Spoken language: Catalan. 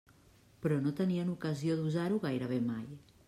Però no tenien ocasió d'usar-lo gairebé mai.